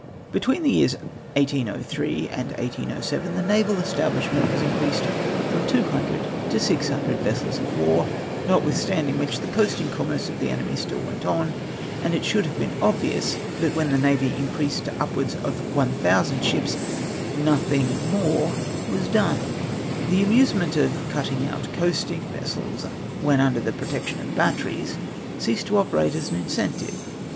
Between the years 1803 and 1807, the naval esta l)lishment was increased from 200 to GOO vessels of war, notwithstanding which the coasting commerce of the enemy still went on, and it should have been obvious that wdien the na\y was increased to upwards of 1000 ships, nothing more ivas done. The amusement of cutting out coasting vessels when under the protection of batteries ceased to operate as an incentive.